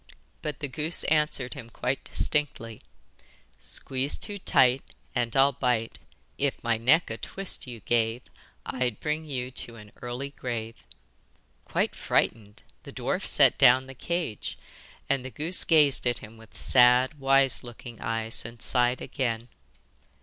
But the goose answered him quite distinctly: 'Squeeze too tight And I'll bite, If my neck a twist you gave I'd bring you to an early grave.' Quite frightened, the dwarf set down the cage, and the goose gazed at him with sad wise looking eyes and sighed again.